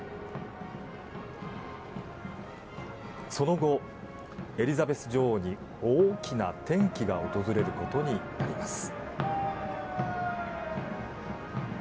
その後、エリザベス女王に大きな転機が訪れることになります。